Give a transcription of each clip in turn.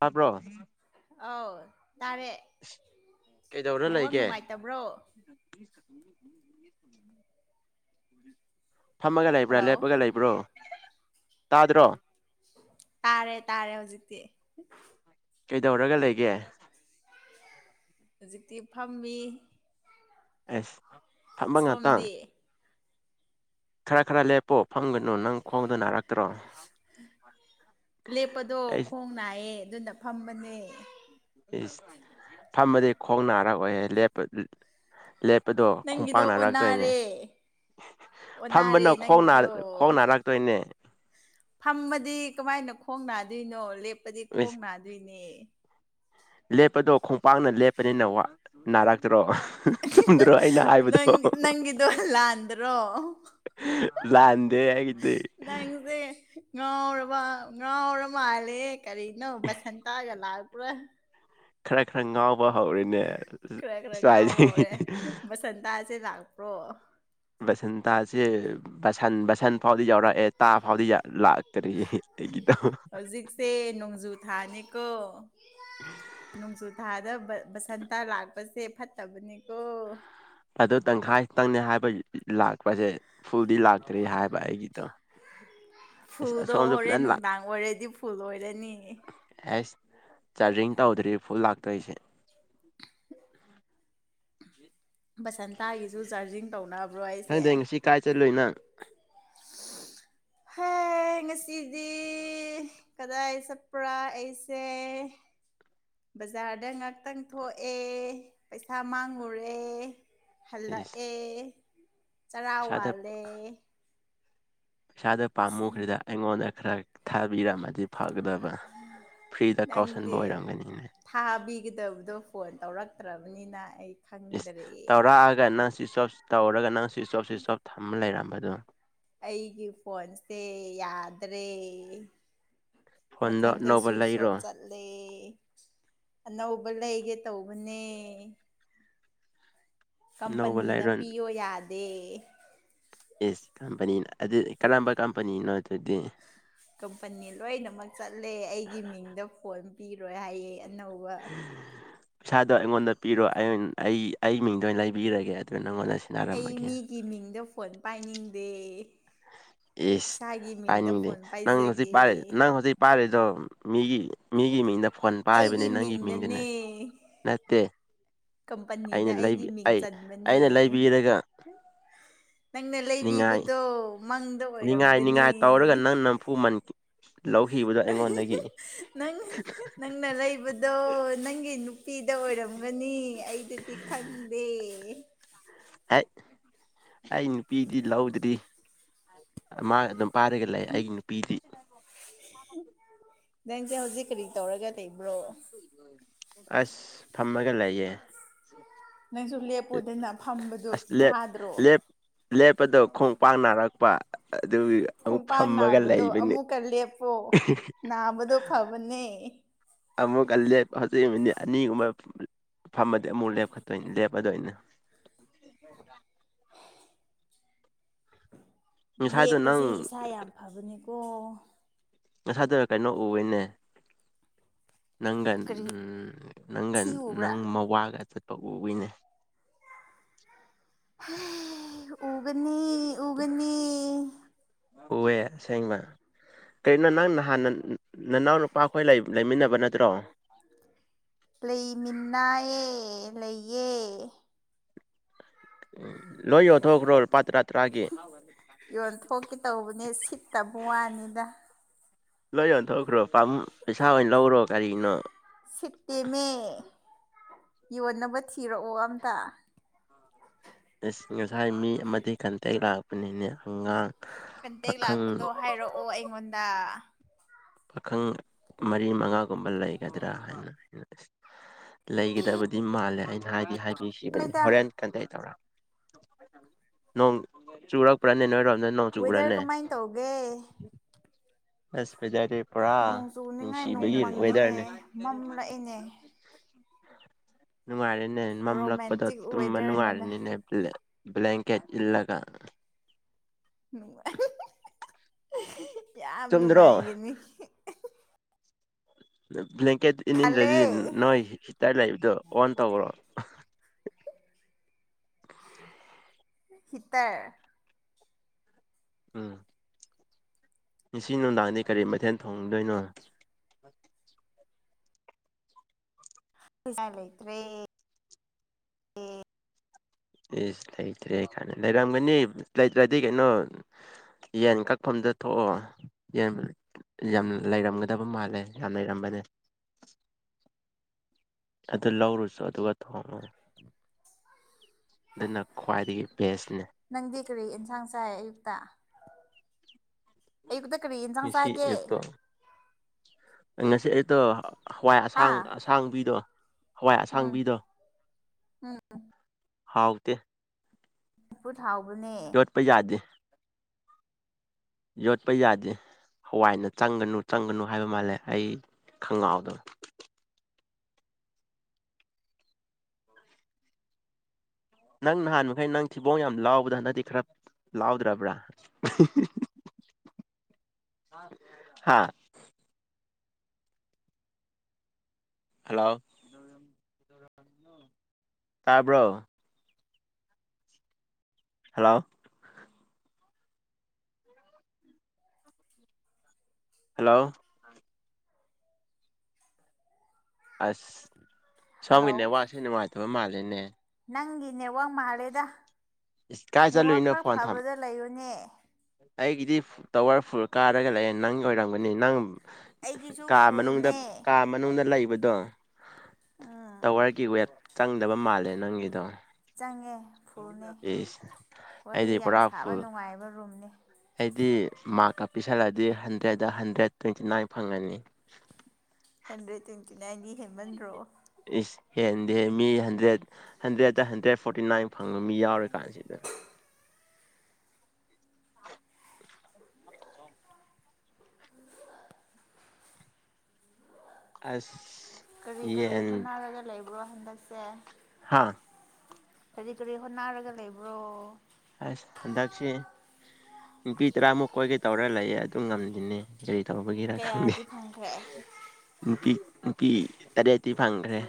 ꯇꯥꯕ꯭ꯔꯣ ꯑꯧ ꯇꯔꯦ ꯀꯩꯗꯧꯔ ꯅꯦꯠꯋꯥꯛ ꯂꯩꯒꯦ ꯅꯨꯡꯉꯥꯏꯇꯕ꯭ꯔꯣ ꯐꯝꯃꯒ ꯂꯩꯕ꯭ꯔꯥ ꯍꯜꯂꯣ ꯂꯦꯞꯄꯒ ꯂꯩꯕ꯭ꯔꯣ ꯇꯥꯗ꯭ꯔꯣ ꯇꯥꯔꯦ ꯇꯥꯔꯦ ꯍꯧꯖꯤꯛꯇꯤ ꯀꯩꯗꯧꯔꯒ ꯂꯩꯒꯦ ꯍꯧꯖꯤꯛꯇꯤ ꯐꯝꯃꯤ ꯑꯦꯁ ꯐꯝꯕ ꯉꯥꯇꯪ ꯁꯣꯝꯗꯤ ꯈꯔ ꯈꯔ ꯂꯦꯞꯄꯣ ꯐꯝꯒꯅꯨ ꯅꯪ ꯈꯣꯡꯗꯣꯅꯥꯔꯛ ꯂꯦꯞꯄꯗꯣ ꯑꯩ ꯈꯣꯡ ꯅꯥꯏꯌꯦ ꯑꯗꯨꯅ ꯐꯝꯕꯅꯦ ꯑꯁ ꯐꯝꯃꯗꯤ ꯈꯣꯡ ꯅꯥꯔꯛ ꯑꯣꯑꯣꯌꯦ ꯂꯦꯞ ꯄꯗꯣ ꯅꯪꯒꯤꯗꯣ ꯈꯣꯡꯄꯥꯛ ꯅꯔꯛꯇ꯭ꯔꯣꯏꯅꯦ ꯑꯣꯟꯅꯔꯦ ꯑꯣꯟꯅꯔꯦ ꯐꯝꯕꯅ ꯈꯣꯡꯅ ꯅꯪꯒꯤꯗꯣ ꯈꯣꯡ ꯅꯥꯔꯛꯇꯣꯏꯅꯦ ꯐꯝꯃꯗꯤ ꯀꯃꯥꯏꯅ ꯈꯣꯡ ꯅꯥꯗꯣꯏꯅꯣ ꯂꯦꯞꯄꯗꯤ ꯈꯣꯡ ꯏꯁ ꯅꯥꯗꯣꯏꯅꯦ ꯂꯦꯞꯄꯗꯣ ꯈꯣꯡꯄꯥꯛꯅ ꯂꯦꯞꯄꯅꯤꯅ ꯅꯥꯔꯛꯇ꯭ꯔꯣ ꯍꯨ ꯍꯨ ꯍꯨ ꯆꯨꯝꯗ꯭ꯔꯣ ꯑꯩꯅ ꯍꯥꯏꯕꯗꯣ ꯅꯪ ꯅꯪꯒꯤꯗꯣ ꯂꯥꯟꯗ꯭ꯔꯣ ꯂꯟꯗꯦ ꯑꯩꯒꯤꯗꯤ ꯅꯪꯁꯦ ꯉꯥꯎꯔꯕ ꯉꯥꯎꯔ ꯃꯥꯜꯂꯦ ꯀꯔꯤꯅꯣ ꯕꯁꯟꯇꯥꯒ ꯂꯛꯄ꯭ꯔꯥ ꯈꯔ ꯈꯔ ꯉꯥꯎꯕ ꯍꯧꯔꯤꯅꯦ ꯈꯔ ꯈꯔ ꯉꯥꯎꯕꯍꯧꯔꯦ ꯕꯁꯟꯇꯥꯥꯁꯦ ꯂꯛꯄ꯭ꯔꯣ ꯕꯁꯟꯇꯥꯁꯦ ꯕꯁꯟ ꯕꯁꯟ ꯐꯥꯎꯗꯤ ꯌꯥꯎꯔꯛꯑꯦ ꯇꯥ ꯐꯥꯎꯗꯤ ꯂꯥꯛ ꯍꯧꯖꯤꯛꯁꯦ ꯅꯣꯡꯖꯨ ꯊꯥꯅꯤꯀꯣ ꯅꯣꯡꯖꯨ ꯊꯥꯗ ꯕꯁꯟꯇꯥ ꯂꯛꯄꯁꯦ ꯐꯠꯇꯕꯅꯤꯀꯣ ꯑꯗꯨ ꯇꯪꯈꯥꯏꯇꯪꯅꯦ ꯍꯥꯏꯕ ꯂꯥꯛꯄꯁꯦ ꯐꯨꯜꯗꯤ ꯂꯥꯛꯇ꯭ꯔꯔꯤ ꯍꯥꯏꯕ ꯑꯩꯒꯤꯗꯣ ꯑꯁ ꯐꯨꯜꯗꯣ ꯑꯁꯣꯝꯁꯨ ꯍꯣꯔꯦꯟ ꯐꯖꯅ ꯂꯥꯛ ꯅꯨꯡꯗꯥꯡ ꯑꯣꯏꯔꯗꯤ ꯐꯨꯜ ꯑꯣꯏꯔꯅꯤ ꯑꯦꯁ ꯆꯥꯔꯖꯤꯡ ꯇꯧꯗ꯭ꯔꯤ ꯐꯨꯜ ꯂꯥꯛꯇꯣꯏꯁꯦ ꯕꯁꯟꯇꯥꯒꯤꯁꯨ ꯆꯥꯔꯖꯤꯡ ꯇꯧꯅꯕ꯭ꯔꯣ ꯍꯥꯏꯁꯦ ꯈꯪꯗꯦ ꯉꯁꯤ ꯀꯥꯏ ꯆꯠꯂꯨꯏ ꯅꯪ ꯍꯦ ꯍꯦ ꯉꯁꯤꯗꯤ ꯀꯗꯥꯏ ꯆꯠꯄ꯭ꯔꯥ ꯑꯩꯁꯦ ꯕꯖꯥꯔꯗ ꯉꯥꯛꯇꯪ ꯊꯣꯛꯑꯦ ꯄꯩꯁꯥ ꯃꯥꯡꯉꯨꯔꯦ ꯍꯜ ꯂꯛ ꯏꯁ ꯑꯦ ꯆꯔꯥ ꯏꯁꯥꯗ ꯋꯂꯦ ꯄꯩꯁꯥꯗꯣ ꯄꯥꯝꯃꯨꯈ꯭ꯔꯦꯗ ꯑꯩꯉꯣꯟꯗ ꯈꯔ ꯊ ꯊꯥꯕꯤꯔꯝꯃꯗꯤ ꯐꯒꯗꯕ ꯐ꯭ꯔꯤꯗ ꯀꯥꯎꯁꯟꯕ ꯅꯪꯗꯤ ꯑꯣꯏꯔꯝꯒꯅꯤꯅꯦ ꯊꯥꯕꯤꯒꯗꯕꯗꯣ ꯐꯣꯟ ꯇꯧꯔꯛꯇ꯭ꯔꯕꯅꯤꯅ ꯑꯩ ꯏꯁ ꯈꯪꯗ꯭ꯔꯦ ꯇꯧꯔꯛꯑꯒ ꯅꯪ ꯁ꯭ꯋꯤꯁ ꯑꯣꯞ ꯇꯧꯔꯒ ꯅꯪ ꯁ꯭ꯋꯤꯁ ꯑꯣꯐ ꯁ꯭ꯋꯤꯁ ꯑꯣꯐ ꯊꯃ ꯂꯩꯔꯝꯕꯗꯨꯣ ꯑꯩꯒꯤ ꯐꯣꯟꯁꯦ ꯌꯥꯗ꯭ꯔꯦ ꯐꯣꯟꯗꯣ ꯃꯊꯟꯗ ꯑꯅꯧꯕ ꯁ꯭ꯋꯤꯁ ꯂꯩꯔꯣ ꯑꯣꯐ ꯆꯠꯂꯦ ꯑꯅꯧꯕ ꯂꯩꯒꯦ ꯇꯧꯕꯅꯦ ꯑꯅꯧꯕ ꯀꯝꯄꯅꯤꯅ ꯂꯩꯔꯣ ꯄꯤꯌꯣ ꯌꯥꯗꯦ ꯏꯁ ꯀꯝꯄꯅꯤꯅ ꯑꯗꯨꯗꯤ ꯀꯔꯝꯕ ꯀꯝꯄꯅꯤꯅꯣ ꯑꯗꯨꯗꯤ ꯀꯝꯄꯅꯤ ꯂꯣꯏꯅꯃꯛ ꯆꯠꯂꯦ ꯑꯩꯒꯤ ꯃꯤꯡꯗ ꯐꯣꯟ ꯄꯤꯔꯣꯏ ꯍꯥꯏꯌꯦ ꯑꯅꯧꯕ ꯄꯩꯁꯥꯗꯣ ꯑꯩꯉꯣꯟꯗ ꯄꯤꯔꯣ ꯑꯩ ꯑꯩ ꯑꯩ ꯃꯤꯡꯗ ꯑꯣꯏꯅ ꯂꯩꯕꯤꯔꯒꯦ ꯑꯗꯨꯅ ꯅꯪꯉꯣꯟꯗ ꯑꯩ ꯁꯤꯟꯅꯔꯝꯃꯒꯦ ꯃꯤꯒꯤ ꯃꯤꯡꯗ ꯐꯣꯟ ꯄꯥꯏꯅꯤꯡꯗꯦ ꯑꯦꯁ ꯏꯁꯥꯒꯤ ꯃꯤꯡꯗ ꯄꯥꯏꯅꯤꯡꯗꯦ ꯐꯣꯟ ꯅꯪ ꯍꯧꯖꯤꯛ ꯄꯥꯏꯖꯒꯦ ꯄꯥꯏ ꯅꯪ ꯍꯧꯖꯤꯛ ꯄꯥꯏ ꯑꯗꯣ ꯃꯤꯒꯤ ꯃꯤꯒꯤ ꯃꯤꯡꯗ ꯐꯣꯟ ꯄꯥꯏꯕꯅꯦ ꯑꯩꯒꯤ ꯅꯪꯒꯤ ꯃꯤꯡꯗ ꯃꯤꯡꯗꯅꯦ ꯅꯠꯇꯦ ꯀꯝꯄꯅꯤꯗ ꯑꯩꯅ ꯂꯩꯕꯤ ꯑꯩꯒꯤ ꯃꯤꯡ ꯑꯩ ꯆꯟꯕꯅꯦ ꯑꯩꯅ ꯂꯩꯕꯤꯔꯒ ꯅꯪꯅ ꯂꯩꯕꯤꯕꯗꯣ ꯃꯪꯗ ꯅꯤꯡꯈꯥꯏ ꯑꯣꯏꯔꯝꯒꯅꯤ ꯅꯤꯡꯉꯥꯏ ꯇꯧꯔꯒ ꯅꯪ ꯅꯝꯐꯨ ꯃꯟꯈꯤ ꯅꯪ ꯍꯦ ꯍꯦ ꯅꯪ ꯅꯪꯅ ꯂꯩꯕꯗꯣ ꯅꯪꯒꯤ ꯅꯨꯄꯤꯗ ꯑꯣꯏꯔꯝꯒꯅꯤ ꯑꯩꯗꯗꯤ ꯈꯪꯗꯦ ꯍꯦꯛ ꯑꯩ ꯅꯨꯄꯤꯗꯤ ꯂꯧꯗ꯭ꯔꯤ ꯃꯥ ꯑꯗꯨꯝ ꯄꯥꯏꯔꯒ ꯂꯩꯥ ꯑꯩꯒꯤ ꯅꯨꯄꯤꯗꯤ ꯅꯪꯁꯦ ꯍꯧꯖꯤꯛ ꯀꯔꯤ ꯇꯧꯔꯒ ꯂꯩꯕ꯭ꯔꯣ ꯑꯁ ꯐꯝꯃꯒ ꯂꯩꯌꯦ ꯅꯪꯁꯨ ꯂꯦꯞꯄꯣꯗꯅ ꯐꯝꯕꯗꯨ ꯑꯁ ꯂꯦꯞ ꯋꯥꯗ꯭ꯔꯣ ꯂꯦꯞ ꯂꯦꯞꯄꯗꯣ ꯈꯣꯡ ꯄꯥꯛ ꯅꯥꯔꯛꯄ ꯑꯗꯨꯒꯤ ꯑꯃꯨꯛ ꯈꯣꯡꯄꯥꯛ ꯐꯝꯃꯒ ꯅꯥꯕꯗꯣ ꯂꯩꯕꯅꯤ ꯑꯃꯨꯛꯀ ꯂꯦꯞꯄꯣ ꯅꯥꯕꯗꯣ ꯐꯕꯅꯦ ꯑꯃꯨꯛ ꯂꯦꯞ ꯍꯧꯖꯤꯛ ꯃꯤꯅꯤꯠ ꯑꯅꯤ ꯒꯨꯝꯕ ꯐꯝꯃꯗꯤ ꯑꯃꯨꯛ ꯂꯦꯞꯈꯠꯇꯣꯏꯅꯤ ꯂꯦꯞꯄꯗꯣꯏꯅꯦ ꯉꯁꯥꯏꯗꯣ ꯂꯦꯞꯄꯁꯦ ꯅꯪ ꯏꯁꯥ ꯌꯥꯝ ꯐꯕꯅꯦꯀꯣ ꯉꯁꯥꯗ ꯀꯩꯅꯣ ꯎꯌꯦꯅꯦ ꯅꯪꯒꯟ ꯀꯔꯤ ꯎꯝ ꯅꯪꯒꯟ ꯊꯤ ꯎꯕ꯭ꯔꯥ ꯅꯪ ꯃꯋꯥꯒ ꯆꯠ ꯇꯧꯏꯅꯦ ꯎꯒꯅꯤ ꯎꯒꯅꯤ ꯎꯑꯦ ꯑꯁꯦꯡꯕ ꯀꯔꯤꯅꯣ ꯅꯪ ꯅꯍꯥꯟ ꯅꯅꯥꯎ ꯅꯨꯄꯥ ꯈꯣꯏ ꯂꯩ ꯂꯩꯃꯤꯟꯅꯕ ꯅꯠꯇ꯭ꯔꯣ ꯂꯩꯃꯤꯅꯥꯑꯦ ꯂꯩꯌꯦ ꯂꯣꯏ ꯌꯣꯟꯊꯣꯛꯈꯔꯣ ꯂꯨꯄꯥ ꯇꯔꯥꯠ ꯌꯣꯟꯊꯣꯛꯀꯦ ꯇꯧꯕꯅꯦ ꯁꯤꯠꯇꯕ ꯋꯥꯅꯤꯗ ꯂꯣꯏ ꯌꯣꯟꯊꯣꯛꯈ꯭ꯔꯣ ꯄꯥꯝ ꯄꯩꯁꯥ ꯑꯣꯏꯅ ꯂꯧꯔꯣ ꯀꯔꯤꯅꯣ ꯁꯤꯠꯇꯦꯝꯃꯦ ꯌꯣꯟꯅꯕ ꯊꯤꯔꯛꯑꯣ ꯑꯝꯇ ꯑꯁ ꯉꯁꯥꯏ ꯃꯤ ꯑꯃꯗꯤ ꯀꯟꯇꯦꯛ ꯂꯥꯛꯄꯅꯤꯅꯦ ꯍꯪꯒꯥꯥꯡ ꯀꯟꯇꯦꯛ ꯂꯥꯛꯄꯗꯣ ꯍꯥꯏꯔꯛꯑꯣ ꯑꯩꯉꯣꯟꯗ ꯄꯥꯈꯪ ꯃꯔꯤ ꯃꯉꯥꯒꯨꯝꯕ ꯂꯩꯒꯗ꯭ꯔꯥ ꯍꯥꯏꯅ ꯂꯩꯒꯗꯕꯗꯤ ꯃꯥꯜꯂꯦ ꯑꯩꯅ ꯍꯥꯏꯗꯤ ꯍꯥꯏ ꯁꯤꯕꯅꯦ ꯅꯣꯏꯗ ꯍꯣꯔꯦꯟ ꯀꯟꯇꯦꯛ ꯇꯧꯔ ꯅꯣꯡ ꯆꯨꯔꯛꯄ꯭ꯔꯥꯅꯦ ꯅꯣꯏ ꯔꯣꯝ ꯋꯦꯗꯔ ꯅꯣꯡꯆꯨꯕ꯭ꯔꯦꯅꯦ ꯀꯃꯥꯏꯅ ꯇꯧꯒꯦ ꯑꯁ ꯄꯨꯔꯥ ꯅꯣꯡ ꯆꯨꯅꯤꯡꯉꯥꯏ ꯅꯣꯡ ꯅꯨꯡꯁꯤꯕꯒꯤ ꯃꯪꯉꯤꯅꯦ ꯋꯦꯊꯔꯅꯦ ꯃꯝꯂꯛꯏꯅꯦ ꯅꯨꯡꯉꯥꯏꯔꯦꯅꯦ ꯃꯝꯂꯛꯄꯗꯣ ꯔꯣꯃꯦꯟꯇꯤꯛ ꯇꯨꯝꯕ ꯋꯦꯗꯔꯅꯤꯅ ꯅꯨꯡꯉꯥꯏꯔꯅꯤꯅꯦ ꯕ꯭ꯂꯥꯡꯀꯦꯠ ꯏꯜꯂꯒ ꯅꯨꯡꯉꯥꯏ ꯌꯥꯝ ꯆꯨꯝꯗ꯭ꯔꯣ ꯅꯨꯡꯉꯥꯏꯒꯅꯤ ꯕ꯭ꯂꯦꯡꯀꯦꯠ ꯍꯜꯂꯦ ꯏꯅꯤꯡꯗ꯭ꯔꯗꯤ ꯅꯣꯏ ꯍꯤꯇꯔ ꯂꯩꯏꯕꯗꯣ ꯑꯣꯟ ꯇꯧꯔꯣ [unintelligible] ꯍꯤꯇꯔ ꯎꯝ ꯉꯁꯤ ꯅꯨꯡꯗꯥꯡꯗꯤ ꯀꯔꯤ ꯃꯊꯦꯜ ꯊꯣꯡꯗꯣꯏꯅꯣ [unintelligible] [unintelligible] ꯏꯁ ꯂꯩꯇ꯭ꯔꯦ ꯀꯥꯟꯅ ꯂꯩꯔꯝꯒꯅꯤ ꯂꯩꯇ꯭ꯔꯗꯤ ꯀꯩꯅꯣ ꯌꯦꯟ ꯀꯛꯐꯝꯗ ꯊꯣꯛꯑꯣ ꯌꯦꯟ ꯌꯥꯝ ꯂꯩꯔꯝꯒꯗꯕ ꯃꯥꯜꯂꯦ ꯌꯥꯝ ꯂꯩꯔꯝꯕꯅꯦ ꯑꯗꯨ ꯂꯧꯔꯨꯆꯣ ꯑꯗꯨꯒ ꯊꯣꯡꯉꯣ ꯑꯗꯨꯅ ꯈ꯭ꯋꯥꯏꯗꯒꯤ ꯕꯦꯁꯅꯦ ꯅꯪꯗꯤ ꯀꯔꯤ ꯑꯦꯟꯁꯥꯡ ꯆꯥꯏ ꯑꯌꯨꯛꯇ ꯑꯩꯌꯨꯛꯇ ꯀꯔꯤ ꯑꯦꯟꯁꯥꯡ ꯉꯁꯤ ꯆꯥꯒꯦ ꯑꯌꯨꯛꯇꯣ ꯉꯁꯤ ꯑꯩꯌꯨꯛꯇꯣ ꯍꯋꯥꯏ ꯑꯁꯥꯡ ꯍꯥ ꯑꯁꯥꯡꯕꯤꯗꯣ ꯍꯋꯥꯏ ꯎꯝ ꯑꯁꯥꯡꯕꯤꯗꯣ ꯎꯝ ꯍꯥꯎꯇꯦ ꯆꯝꯐꯨꯠ ꯂꯣꯠꯄ ꯌꯥꯗꯦ ꯌꯣꯠꯄ ꯌꯥꯗꯦ ꯍꯋꯥꯏꯅ ꯆꯪꯒꯅꯨ ꯆꯪꯒꯅꯨ ꯍꯥꯏꯕ ꯃꯥꯜꯂꯦ ꯑꯩ ꯈꯪꯅꯥꯎꯗꯣ ꯅꯪ ꯅꯍꯥꯟ ꯃꯈꯩ ꯅꯪ ꯊꯤꯕꯣꯡ ꯌꯥꯝ ꯂꯥꯎꯕꯗ ꯍꯟꯗꯛꯇꯤ ꯈꯔ ꯂꯥꯎꯗ꯭ꯔꯕ꯭ꯔꯥ ꯍꯥꯥ ꯍꯜꯂꯣ ꯇꯥꯕ꯭ꯔꯣ ꯍꯜꯂꯣ ꯍꯜꯂꯣ ꯑꯁ ꯁꯣꯝꯒꯤ ꯍꯜꯂꯣ ꯅꯦꯠꯋꯥꯛꯁꯦ ꯅꯨꯡꯉꯥꯏꯇꯕ ꯃꯥꯜꯂꯦꯅꯦ ꯅꯪꯒꯤ ꯅꯦꯠꯋꯥꯛ ꯃꯥꯜꯂꯦꯗ ꯏꯁ ꯀꯥꯏ ꯅꯦꯠꯋꯥꯛ ꯆꯠꯂꯨꯏꯅꯣ ꯈꯔ ꯐꯣꯟ ꯊꯝ ꯐꯕꯗ ꯂꯩꯌꯨꯅꯦ ꯑꯩꯒꯤꯗꯤ ꯇꯋꯥꯔ ꯐꯨꯜ ꯀꯥꯔꯒ ꯂꯩꯑꯦ ꯅꯪꯒꯤ ꯑꯣꯏꯔꯝꯒꯅꯤ ꯅꯪ ꯑꯩꯒꯤꯁꯨ ꯀꯥ ꯃꯅꯨꯡꯗ ꯐꯨꯜꯅꯦ ꯀꯥ ꯃꯅꯨꯡꯗ ꯂꯩꯕꯗꯣ ꯎꯝ ꯇꯋꯥꯔꯒꯤ ꯋꯦꯞ ꯆꯪꯗꯕ ꯃꯥꯜꯂꯦ ꯅꯪꯒꯤꯗꯣ ꯆꯪꯉꯦ ꯐꯨꯜꯅꯦ ꯏꯁ ꯑꯩꯗꯤ ꯋꯥꯔꯤ ꯌꯥꯝ ꯄꯨꯔꯥ ꯁꯥꯕ ꯐꯨꯜ ꯅꯨꯡꯉꯥꯏꯕ ꯔꯨꯝꯅꯦ ꯑꯩꯗꯤ ꯃꯥꯔꯛꯀ ꯄꯤꯁꯜꯂꯛꯑꯗꯤ ꯍꯟꯗ꯭ꯔꯦꯠꯇ ꯍꯟꯗ꯭ꯔꯦꯠ ꯇ꯭ꯋꯦꯟꯇꯤꯅꯥꯏꯟ ꯐꯪꯒꯅꯤ ꯍꯟꯗ꯭ꯔꯦꯠ ꯇ꯭ꯋꯦꯟꯇꯤꯅꯥꯏꯟꯗꯤ ꯍꯦꯟꯃꯟꯗ꯭ꯔꯣ ꯏꯁ ꯍꯦꯟꯗꯦ ꯃꯤ hundred hundred hundred forty nine ꯐꯪꯕ ꯃꯤ ꯌꯥꯎꯔ ꯀꯥꯟꯁꯤꯗ [inaudible] ꯑꯁ ꯀꯔꯤ ꯀꯔꯤ ꯌꯦꯟ ꯍꯣꯠꯅꯔꯒ ꯂꯩꯕ꯭ꯔꯣ ꯍꯟꯗꯛꯁꯦ ꯍꯥꯥ ꯀꯔꯤ ꯀꯔꯤ ꯍꯣꯠꯅꯔꯒ ꯂꯩꯕ꯭ꯔꯣ ꯑꯁ ꯍꯟꯗꯛꯁꯦ ꯅꯨꯄꯤ ꯇꯔꯥꯃꯨꯛ ꯀꯣꯏꯒꯦ ꯇꯧꯔ ꯂꯩꯌꯦ ꯑꯗꯨꯝ ꯉꯝꯗꯅꯦ ꯆꯍꯤ ꯇꯧꯕꯒꯤꯔ ꯈꯪꯗꯦ ꯀꯌꯥꯗꯤ ꯐꯪꯈ꯭ꯔꯦ ꯅꯨꯄꯤ ꯅꯨꯄꯤ ꯇꯔꯦꯠꯇꯤ ꯐꯪꯈ꯭ꯔꯦ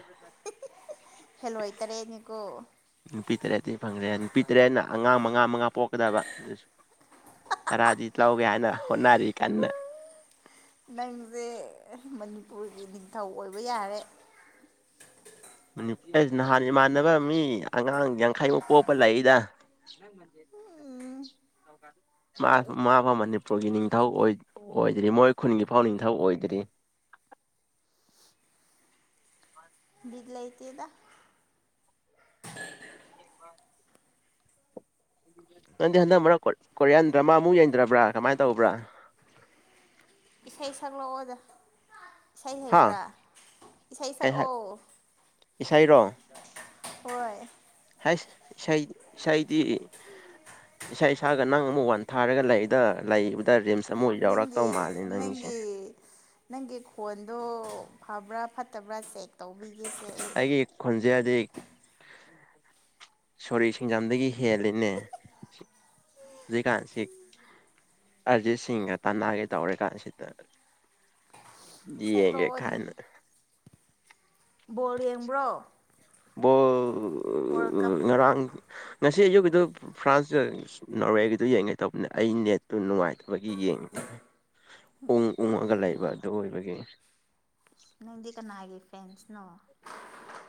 ꯍꯦꯜꯂꯣꯏ ꯇꯔꯦꯠꯅꯤꯀꯣ ꯅꯨꯄꯤ ꯇꯔꯦꯠꯇꯤ ꯐꯪꯈ꯭ꯔꯦ ꯅꯨꯄꯤ ꯇꯔꯦꯠꯅ ꯑꯉꯥꯡ ꯃꯉꯥ ꯃꯉꯥ ꯄꯣꯛꯀꯗꯕ ꯑꯗꯨꯁꯨ ꯇꯔꯥꯗꯤ ꯂꯧꯒꯦ ꯍꯥꯏꯅ ꯍꯣꯠꯅꯔꯤ ꯀꯟꯅ ꯅꯪꯁꯦ ꯃꯅꯤꯄꯨꯔꯒꯤ ꯅꯤꯡꯊꯧ ꯑꯣꯏꯕ ꯌꯥꯔꯦ ꯑꯦ ꯅꯍꯥꯟ ꯏꯃꯥꯟꯅꯕ ꯃꯤ ꯑꯉꯥꯡ ꯌꯥꯡꯈꯩꯃꯨꯛ ꯄꯣꯛꯄ ꯂꯩꯏꯗ ꯎꯝ [inaudible] ꯃꯥ ꯄꯣꯛꯎ ꯃꯐꯥꯎ ꯄꯣꯛꯎ ꯃꯅꯤꯄꯨꯔꯒꯤ ꯅꯤꯡꯊꯧ ꯑꯣꯏ ꯑꯣꯏꯗ꯭ꯔꯤ ꯃꯣꯏ ꯈꯨꯟꯒꯤ ꯐꯥꯎ ꯅꯤꯡꯊꯧ ꯑꯣꯏꯗ꯭ꯔꯤ [inaudible] ꯕꯤꯗ ꯂꯩꯇꯦꯗ [inaudible] ꯅꯪꯗꯤ ꯍꯟꯗꯛ ꯃꯔꯛ ꯀꯣ ꯀꯣꯔꯤꯌꯥꯟ ꯗ꯭ꯔꯃꯥꯃꯨꯛ ꯌꯦꯡꯗ꯭ꯔꯕ꯭ꯔꯥ ꯀꯃꯥꯏ ꯇꯧꯕ꯭ꯔꯥ [inaudible] ꯏꯁꯩ ꯁꯛꯂꯛꯑꯣꯗ ꯏꯁꯩ ꯍꯥ ꯍꯩꯕ꯭ꯔꯥ ꯏꯁꯩ ꯀꯩ ꯍꯥꯏ ꯁꯛꯑꯣ ꯏꯁꯩꯔꯣ ꯍꯣꯏ ꯑꯁ ꯏꯁꯩꯗꯤ ꯏꯁꯩꯗꯤ ꯏꯁꯩ ꯁꯛꯑꯒ ꯅꯪ ꯑꯃꯨꯛ ꯋꯥꯟ ꯊꯥꯔꯒ ꯂꯩꯗ ꯂꯩꯕꯗ ꯔꯤꯝꯁ ꯑꯃꯨꯛ ꯌꯧꯔꯛꯇꯧ ꯅꯪꯒꯤ ꯃꯥꯜꯂꯦ ꯅꯪꯒꯤꯁꯦ ꯅꯪꯒꯤ ꯅꯪꯒꯤ ꯈꯣꯟꯗꯣ ꯐꯕ꯭ꯔꯥ ꯐꯠꯇꯕ꯭ꯔꯥ ꯆꯦꯛ ꯇꯧꯕꯤꯒꯦꯅꯦ ꯑꯩ ꯗꯦꯗꯤ ꯁꯣꯔꯤ ꯁꯤꯡꯖꯝꯗꯒꯤ ꯍꯦꯜꯂꯤꯅꯦ ꯍꯨꯖꯤꯀꯥꯟꯁꯤ ꯑꯔꯖꯤꯠ ꯁꯤꯡꯒ ꯇꯅꯥꯒꯦ ꯇꯧꯔꯤ ꯀꯥꯟꯁꯤꯗ ꯌꯦꯡꯒꯦ ꯁꯛꯂꯛꯑꯣꯅꯦ ꯀꯥꯏꯅ ꯕꯣꯜ ꯌꯦꯡꯕ꯭ꯔꯣ ꯕꯣꯜ ꯋꯥꯔꯜ ꯀꯞ ꯉꯔꯥꯡ ꯉꯁꯤ ꯑꯌꯨꯛꯀꯤꯗꯨ ꯐ꯭ꯔꯥꯟꯁ ꯅꯣꯔꯋꯦꯒꯤꯗꯨ ꯌꯦꯡꯒꯦ ꯇꯧꯕꯅꯦ ꯑꯩ ꯅꯦꯠꯇꯨ ꯅꯨꯡꯉꯥꯏꯇꯕꯒꯤ ꯌꯦꯡꯅꯤꯡ ꯎꯪ ꯎꯪꯉꯒ ꯂꯩꯕ ꯑꯗꯨ ꯑꯣꯏꯕꯒꯤ ꯅꯪꯗꯤ ꯀꯅꯥꯒꯤ ꯐ꯭ꯔꯦꯟꯁꯅꯣ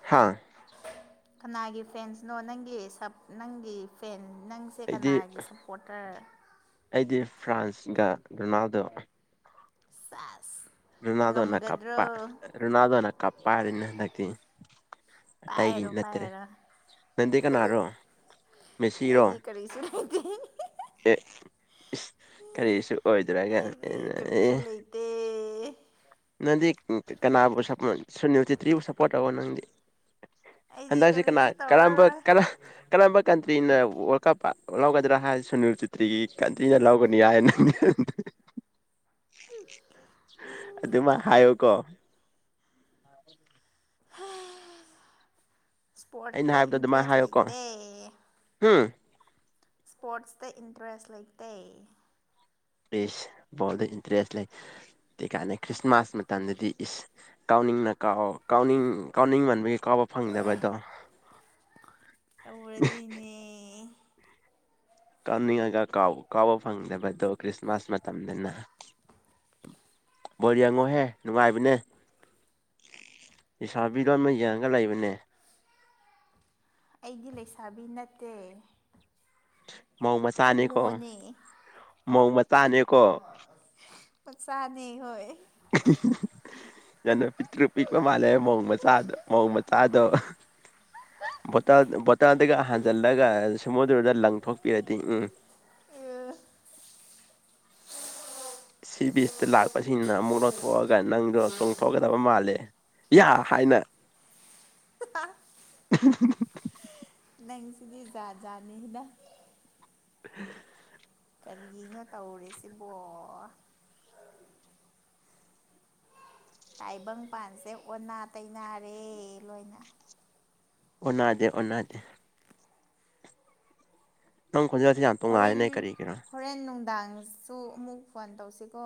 ꯍꯥꯥ ꯀꯅꯥꯒꯤ ꯐꯦꯟꯁꯅꯣ ꯅꯪꯒꯤ ꯁ ꯅꯪꯒꯤ ꯐꯦꯟ ꯅꯪꯁꯦ ꯑꯩꯗꯤ ꯀꯅꯥꯒꯤ ꯁꯞꯄꯣꯔꯇꯔ ꯑꯩꯗꯤ ꯐ꯭ꯔꯥꯟꯁꯒ ꯔꯣꯅꯥꯜꯗꯣ ꯁꯦꯠ ꯔꯣꯅꯥꯜꯗꯣꯅ ꯀꯞꯄ ꯔꯣꯅꯥꯜꯗꯣꯅ ꯀꯞꯄ ꯍꯥꯏꯔꯦꯅ ꯍꯟꯗꯛꯇꯤ ꯑꯇꯩꯒꯤ ꯄꯥꯏꯔꯣ ꯅꯠꯇ꯭ꯔꯦ ꯄꯥꯏꯔꯣ ꯅꯪꯗꯤ ꯀꯅꯥꯔꯣ ꯃꯦꯁꯤꯔꯣ ꯑꯩꯗꯤ ꯀꯔꯤꯁꯨ ꯂꯩꯇꯦ ꯑꯦ ꯀꯔꯤꯁꯨ ꯑꯣꯏꯗ꯭ꯔꯒ ꯑꯩꯗꯤ ꯑꯦ ꯀꯔꯤꯒꯤꯁꯨ ꯂꯩꯇꯦ ꯅꯪꯗꯤ ꯀꯅꯥꯕꯨ ꯁꯄꯣꯔꯠ ꯁꯨꯅꯤꯜ ꯆꯦꯇ꯭ꯔꯤꯕꯨ ꯁꯞꯄꯣꯔꯠ ꯇꯧꯑꯣ ꯅꯪꯗꯤ ꯑꯩꯗꯤ ꯍꯟꯗꯛꯁꯦ ꯀꯅꯥ ꯀꯔꯤꯁꯨ ꯀꯔꯝꯕ ꯇꯧꯔꯔꯣꯏ ꯀꯔꯝꯕ ꯀꯟꯇ꯭ꯔꯤꯅ ꯋꯥꯔꯜ ꯀꯞ ꯂꯧꯒꯗ꯭ꯔꯥ ꯍꯥꯏ ꯁꯨꯅꯤꯜ ꯆꯤꯇ꯭ꯔꯤꯒꯤ ꯀꯟꯇ꯭ꯔꯤꯅ ꯂꯧꯒꯅꯤ ꯍꯥꯏ ꯍꯦ ꯍꯦ ꯍꯦ ꯑꯗꯨꯃꯥꯏ ꯍꯥꯏꯌꯣꯀꯣ [inaudible] ꯑꯩꯅ ꯏꯁꯄꯣꯔꯠꯁꯇ ꯍꯥꯏꯕꯗꯣ ꯑꯗꯨꯃꯥꯏꯅ ꯏꯟꯇꯔꯦꯁ ꯍꯥꯏꯌꯨꯀꯣ ꯂꯩꯇꯦ ꯍꯨꯝ ꯑꯁꯄꯣꯔꯠꯇ ꯏꯟꯇꯔꯦꯁ ꯂꯩꯇꯦ ꯏꯁ ꯕꯣꯟꯗ ꯏꯇ꯭ꯔꯦꯁ ꯂꯩꯩꯇꯦ ꯀꯥꯢꯅ ꯈ꯭ꯔꯤꯁꯃꯥꯁ ꯃꯇꯝꯗꯗꯤ ꯏꯁ ꯀꯥꯎ ꯀꯥꯎꯅꯤꯡꯅ ꯀꯥꯎ ꯀꯥꯎꯅꯤꯡ ꯀꯥꯎꯅꯤꯡ ꯃꯟꯕꯒꯤ ꯀꯥꯎꯕ ꯐꯪꯗꯕꯗꯣ ꯇꯧꯔꯗꯤꯅꯦ ꯀꯥꯎꯅꯤꯡꯉꯒꯥ ꯀꯥꯎꯕ ꯐꯪꯗꯕꯗꯣ ꯈ꯭ꯔꯤꯁꯃꯥꯁ ꯃꯇꯝꯗꯅ ꯕꯣꯜ ꯌꯦꯡꯉꯣꯍꯦ ꯅꯨꯡꯉꯥꯏꯕꯅꯦ ꯂꯩꯁꯥꯕꯤꯗꯧꯅ ꯌꯦꯡꯉꯒ ꯂꯩꯕꯅꯦ ꯑꯩꯗꯤ ꯂꯩꯁꯥꯕꯤ ꯅꯠꯇꯦ ꯃꯧ ꯃꯆꯥꯅꯦꯀꯣ ꯍꯣꯃꯣꯅꯦ ꯃꯧ ꯃꯆꯥꯅꯦꯀꯣ ꯃꯆꯥꯅꯦ ꯍꯣꯏ ꯍꯦ ꯍꯦ ꯍꯦ ꯌꯥꯝꯅ ꯄꯤꯛꯇ꯭ꯔꯨ ꯄꯤꯛꯄ ꯃꯥꯂꯦ ꯃꯧ ꯃꯆꯥꯗꯣ ꯃꯧ ꯃꯆꯥꯗꯣ ꯚꯣꯇꯜ ꯚꯣꯇꯜꯒ ꯍꯥꯟꯖꯜꯂꯒ ꯁꯃꯨꯗ꯭ꯔꯗ ꯂꯪꯊꯣꯛꯄꯤꯔꯗꯤ ꯎꯝ ꯁꯤ ꯕꯤꯁꯇ ꯂꯥꯛꯄꯁꯤꯡꯅ ꯑꯃꯨꯛ ꯂꯧꯊꯣꯛꯑꯒ ꯅꯪꯗꯣ ꯆꯣꯡꯊꯣꯛꯀꯗꯕ ꯃꯥꯜꯂꯦ ꯌꯥ ꯍꯥꯏꯅ ꯍꯥ ꯍꯥ ꯅꯪ ꯁꯤꯗꯤ ꯖꯥꯠ ꯖꯥꯠ ꯅꯤꯗ [inaudible] ꯀꯔꯤꯅꯣ ꯇꯧꯔꯤꯁꯤꯕꯣ ꯇꯥꯏꯕꯪꯄꯥꯟꯁꯦ ꯑꯣꯟꯅ ꯇꯩꯅꯔꯦ ꯂꯣꯏꯅ ꯑꯣꯟꯅꯗꯦ ꯑꯣꯟꯅꯗꯦ ꯅꯪ ꯈꯣꯟꯖꯦꯜꯂꯁꯤ ꯌꯥꯝ ꯇꯣꯡꯉꯥꯂꯂꯤꯅꯦ ꯀꯔꯤꯒꯤꯔ ꯗꯥꯥꯡꯁꯨ ꯑꯃꯨꯛ ꯐꯣꯟ ꯇꯧꯁꯤꯀꯣ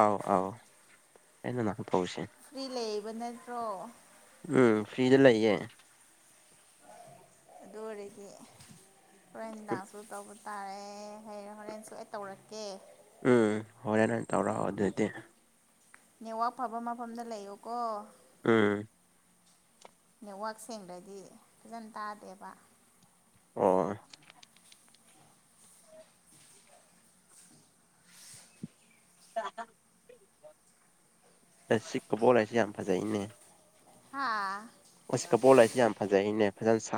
ꯑꯥꯎ ꯑꯥꯎ ꯇꯧꯁꯦ ꯐ꯭ꯔꯤ ꯂꯩꯕ ꯅꯠꯇ꯭ꯔꯣ ꯎꯝ ꯐ꯭ꯔꯤꯗ ꯂꯩꯌꯦ ꯑꯗꯨ ꯑꯣꯏꯔꯗꯤ ꯍꯣꯔꯦꯟ ꯅꯨꯡꯗꯥꯡꯁꯨ ꯇꯧꯕ ꯇꯥꯔꯦ ꯍꯣ ꯍꯣꯔꯦꯟꯁꯨ ꯑꯩ ꯇꯧꯔꯛꯀꯦ ꯎꯝ ꯍꯣꯔꯦꯟ ꯑꯣꯏꯅ ꯇꯧꯔꯛꯑꯣ ꯑꯗꯨꯗꯤ ꯅꯦꯠꯋꯥꯛ ꯐꯕ ꯃꯐꯝꯗ ꯂꯩꯌꯣꯀꯣ ꯎꯝ ꯅꯦꯠꯋꯥꯛ ꯁꯦꯡꯗ꯭ꯔꯗꯤ ꯐꯖꯅ ꯇꯥꯗꯦꯕ ꯑꯣ ꯑ ꯁꯤꯛꯀꯕꯣ ꯂꯩꯁꯦ ꯌꯥꯝ ꯐꯖꯩꯅꯦ ꯍꯥꯥ ꯑꯣ ꯀꯕꯣꯜ ꯂꯩꯁꯤ ꯌꯥꯝ ꯐꯖꯩ ꯅꯦ ꯐꯖꯅ ꯁꯥꯠ